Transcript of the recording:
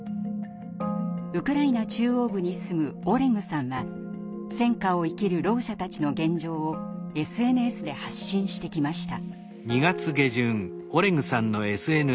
ウクライナ中央部に住むオレグさんは戦禍を生きるろう者たちの現状をＳＮＳで発信してきました。